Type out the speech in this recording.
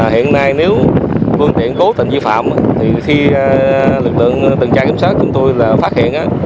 hiện nay nếu phương tiện cố tình vi phạm thì khi lực lượng từng trang kiểm soát chúng tôi là phát hiện